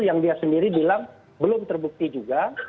yang dia sendiri bilang belum terbukti juga